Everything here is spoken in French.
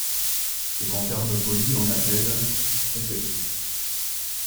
Ce qu’en termes polis on appelle… trompé !